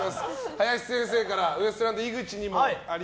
林先生からウエストランド井口にも。